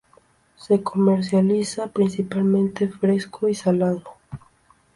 Se comercializa principalmente fresco y salado.